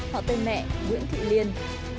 họ tên mẹ nguyễn thị liên